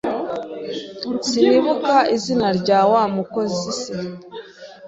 Sinibuka izina rya wa mukozi se? .